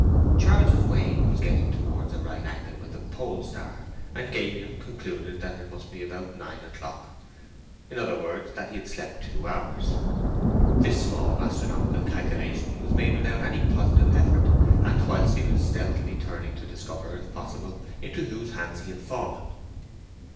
Charles's Wain was getting towards a right angle with the Pole star, and Gabriel concluded that it must be about nine o'clock—in other words, that he had slept two hours. This small astronomical calculation was made without any positive effort, and whilst he was stealthily turning to discover, if possible, into whose hands he had fallen.